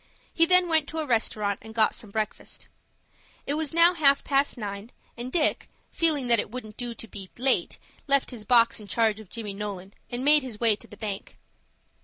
He then went to a restaurant, and got some breakfast. It was now half past nine, and Dick, feeling that it wouldn't do to be late, left his box in charge of Johnny Nolan, and made his way to the bank.